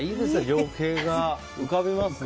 情景が浮かびますね。